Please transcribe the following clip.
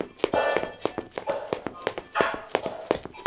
米尔维尔镇区。